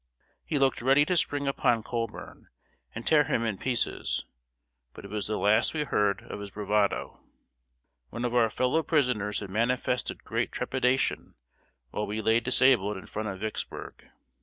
He looked ready to spring upon Colburn and tear him in pieces; but it was the last we heard of his bravado. One of our fellow prisoners had manifested great trepidation while we lay disabled in front of Vicksburg.